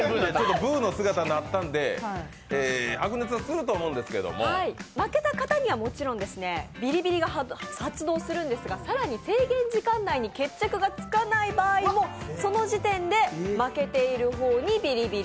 ブウの姿になったので白熱にはなるとは思うんですが、負けた方にはもちろんビリビリが発動するんですが更に制限時間内に決着がつかない場合もその時点で負けている方にビリビリ。